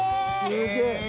「すげえ」